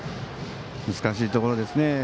難しいところですね。